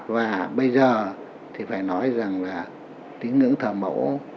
và bây giờ thì phải nói rằng là tín ngưỡng thờ mẫu